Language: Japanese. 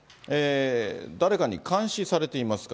誰かに監視されていますか？